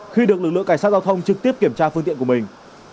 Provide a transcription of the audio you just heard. khi được lực lượng cảnh sát giao thông trực tiếp kiểm tra phương tiện của mình